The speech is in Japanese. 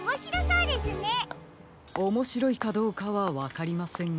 おもしろいかどうかはわかりませんが。